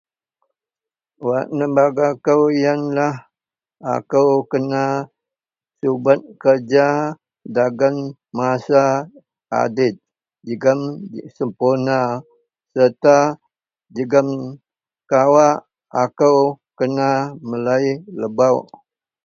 wak nebangga kou ienlah akou kena subert kerja dagen masa adet jegum sempurna serta jegum kawak akou kena melei lebok